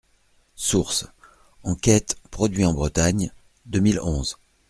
Source : enquête « Produit en Bretagne » deux mille onze.